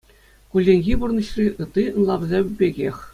"Кулленхи пурнӑҫри" ытти ӑнлавсем пекех,